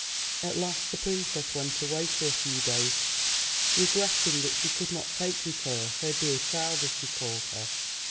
At last the princess went away for a few days, regretting that she could not take with her her dear child, as she called her.